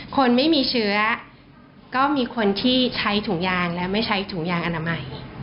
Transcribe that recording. คนไม่มีเชื้อก็มีคนที่ใช้ถุงยางและไม่ใช้ถุงยางอนามัย